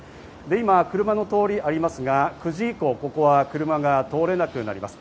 今、車の通りありますが９時以降、ここは車が通れなくなります。